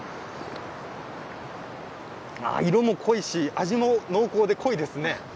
色も濃いし味も濃厚で濃いですね。